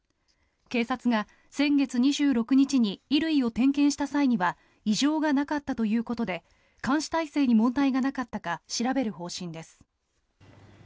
警察が先月２６日に衣類を点検した際には異常がなかったということで監視体制に問題がなかったか調べる方針です。